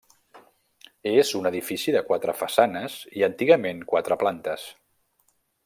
És un edifici de quatre façanes i antigament quatre plantes.